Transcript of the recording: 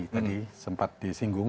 tadi sempat disinggung